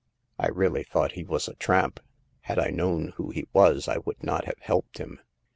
*' I really thought he was a tramp ; had I known who he was I would not have helped him.